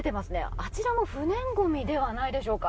あちらも不燃ごみではないでしょうか。